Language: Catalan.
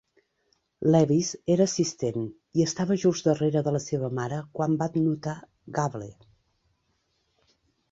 Lewis era assistent i estava just darrera de la seva mare quan va notar Gable.